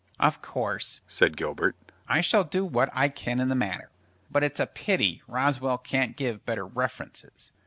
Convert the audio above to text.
"Of course," said Gilbert, "I shall do what I can in the matter; but it's a pity Roswell can't give better references."